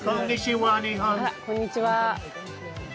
あらこんにちは。